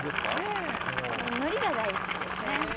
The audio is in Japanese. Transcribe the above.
のりが大好きですね。